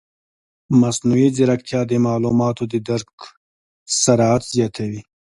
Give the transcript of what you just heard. مصنوعي ځیرکتیا د معلوماتو د درک سرعت زیاتوي.